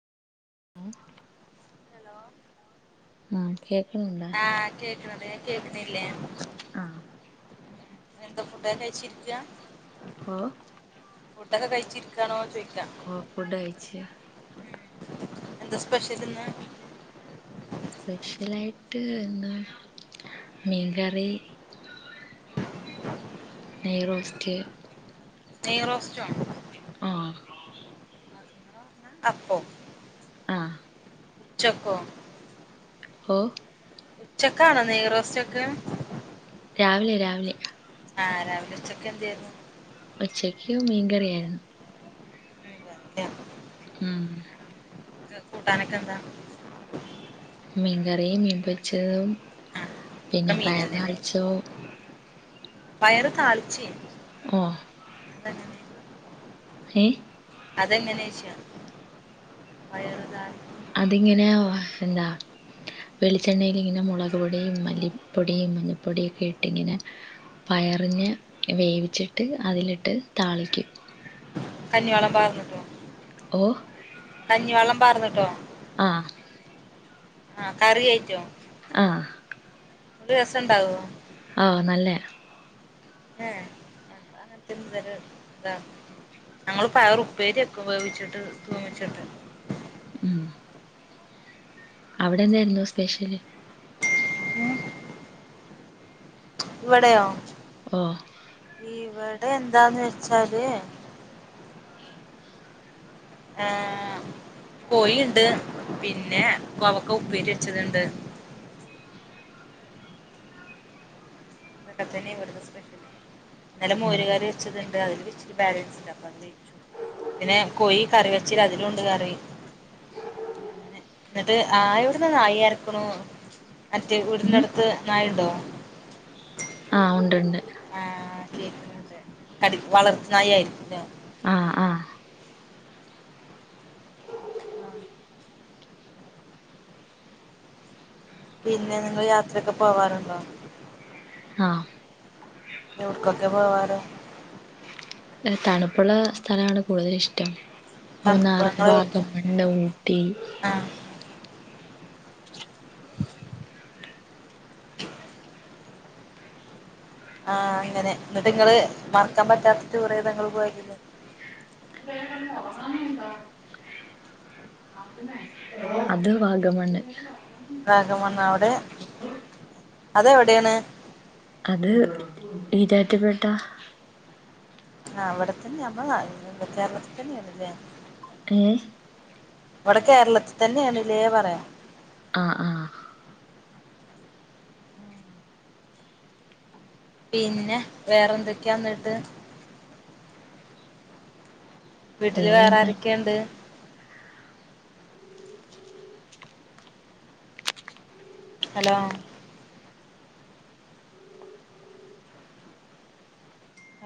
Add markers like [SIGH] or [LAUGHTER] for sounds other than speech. [UNINTELLIGIBLE] Hello ആഹ് കേക്കണുണ്ടാ ആഹ് കേക്കണുണ്ട് കേക്കുണില്ലേ ആഹ് എന്താ ഫുടൊക്കെ കഴിച്ചിരിക്കാ ഓ ഫുടൊക്കെ കഴിച്ചിരിക്കാണോ ചോയ്ക്കാ ഓഹ് ഫുഡ് കഴിച്ച് എന്താ സ്പെഷ്യൽ ഇന്ന് സ്പെഷ്യലായിട്ട് ഇന്ന് മീൻകറി നെയ് റോസ്റ്റ് നെയ് റോസ്‌റ്റോ ആഹ് അപ്പൊ ആഹ് ഉച്ചക്കോ? ഓ ഉച്ചെക്ക് ആണോ നെയ് റോസ്റ്റ് ഒക്കെ രാവിലെ രാവിലെ ആഹ് രാവിലെ ഉച്ചെക്കെ എന്തെയ്ന്നു ഉച്ചെക്ക് മീം കറിയായിരുന്നു [UNINTELLIGIBLE] ഉം ക്ക് കൂട്ടാനൊക്കെ എന്താ? മീം കറിയും മീം പൊരിച്ചെതും ആഹ് ഒക്കെ പിന്നെ പയർ മീനന്നെല്ലേ താളിച്ചൊയും പയർ താളിച്ചെ? ഓഹ് ഏഹ് അത് എങ്ങെനോയ്ച്ചാ പയർ താളി അത് ഇങ്ങെനെ വാ എന്താ വെളിച്ചെണ്ണയിൽ ഇങ്ങെനെ മൊളക് പൊടിയും മല്ലിപ്പൊടിയും മഞ്ഞപ്പൊടിയൊക്കെ ഇട്ട് ഇങ്ങെനെ പയറിനെ വേവിച്ചിട്ട് അതിൽ ഇട്ട് താളിക്കും കഞ്ഞി വള്ളം പാർന്ന്ട്ടോ? ഓഹ് കഞ്ഞി വള്ളം പാർന്ന്ട്ടോ? ആഹ് ആഹ് കറി ആയിറ്റോ? ആഹ് ഇങ്ങെട്ട് രസ ഇണ്ടാവോ? ആഹ് നല്ലയാ- ഹേ ഞങ്ങള്അങ്ങനതൊന്നും ഇത്വരെ [INAUDIBLE] ഞങ്ങള് പയർ ഉപ്പേരിവെക്കും വേവിച്ചിട്ട് തൂമിച്ചിട്ട്- ഉം- അവിടെന്തായിരുന്നു സ്പെഷ്യല്- ഇവടെയോ ഓ ഇവട്- എന്താന്ന് വെച്ചാല്- ആഹ് - കോയിയിണ്ട് പിന്നെ കോവക്ക ഉപ്പേരി വെച്ചത്ണ്ട്- ഇതക്കെ തന്നെ ഇവിടത്ത സ്പെഷ്യല്- ഇന്നല മോരുകറി വെച്ചത് ഇണ്ട് അതില് ഇച്ചിരി ബാലൻസ്ഇണ്ട് അപ്പൊ അത് കഴിച്ചു- പിന്നെ കോയി കറി വെച്ച ന്ന്അതിലുണ്ട് കറി- അങ്ങനെ എന്നിട്ട് ആ എവടെന്നനായി കൊര ക്കണു- മറ്റേ വീടിന്റെ ഉം അടുത്ത് നായുണ്ടോ? ആഹ് ഒണ്ട്ണ്ട്- ആഹ കേക്ക്ണ് ണ്ട് വളർത്ത് നായ ആയിരിക്കുല്ലേ ആഹ് ആഹ് ആഹ പിന്നെ നിങ്ങൾ യാത്രയൊക്കെ പോവാറുണ്ടോ ആഹ എവിടക്കൊക്കെ പോവാറ് തണുപ്പുള്ള സ്ഥലമാണ് കൂടുതല് ഇഷ്ടം തണുപ്പ് മൂന്നാറ് എവിടക്ക് വാഗമണ്ണ് ഊട്ടി ആഹ് ആഹ അങ്ങനെ എന്നിട്ട നിങ്ങള് മറക്കാൻ പറ്റാത്ത ടൂറാഏതാ ഇങ്ങൾ പോയതില് [INAUDIBLE] അത് വാഗമണ്ണ് വാഗമണ്ണ് അവിടെ അതെ എവിടെയാണ് അത് ഈരാറ്റുപേട്ട ആ അവിടെത്തന്നെ നമ്മള ഇട കേരളത്തിൽ തന്നെയ ആണല്ലേ ഏ ഇവിടെ കേരളത്തിൽ തന്നെയാണ് ഇല്ലേ പറയാം ആഹ ആഹ പിന്നെ വേറെന്തൊക്കെ ഇന്നിട്ട് വീട്ടില് വേറെ വേറെന്താ ആരൊക്കെയുണ്ട് ഹലോ